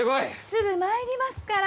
すぐ参りますから。